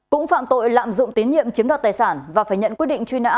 cũng phạm tội lạm dụng tín nhiệm chiếm đoạt tài sản và phải nhận quyết định truy nã